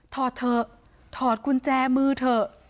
อดเถอะถอดกุญแจมือเถอะ